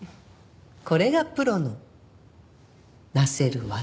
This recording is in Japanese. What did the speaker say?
これがプロの成せる業。